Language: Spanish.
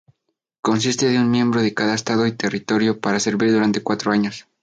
Consiste de un miembro de cada estado y territorio para servir durante cuatro años.